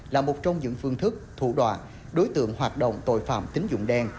là một trong những phương thức thủ đoạn đối tượng hoạt động tội phạm tính dụng đen